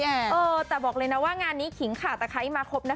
กดอย่างวัยจริงเห็นพี่แอนทองผสมเจ้าหญิงแห่งโมงการบันเทิงไทยวัยที่สุดค่ะ